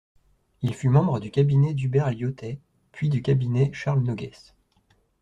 Il fut membre du cabinet d’Hubert Lyautey, puis du cabinet Charles Noguès.